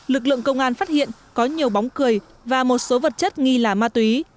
lực lượng công an phát hiện có nhiều bóng cười và một số vật chất nghi là ma túy